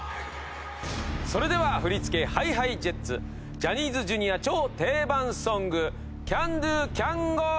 それでは振り付けＨｉＨｉＪｅｔｓジャニーズＪｒ．超定番ソング『Ｃａｎｄｏ！Ｃａｎｇｏ！』